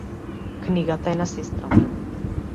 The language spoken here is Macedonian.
Книгата е на сестра ми.